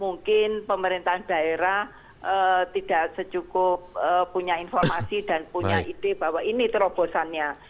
mungkin pemerintahan daerah tidak secukup punya informasi dan punya ide bahwa ini terobosannya